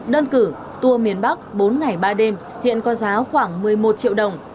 đơn cử tour miền bắc bốn ngày ba đêm hiện có giá khoảng một mươi một triệu đồng